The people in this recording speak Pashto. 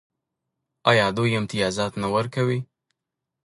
آیا دوی امتیازات نه ورکوي؟